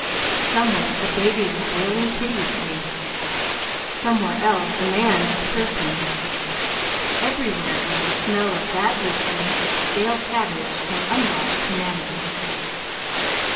Somewhere a baby was wailing piteously. Somewhere else a man was cursing. Everywhere was the smell of bad whiskey, stale cabbage, and unwashed humanity.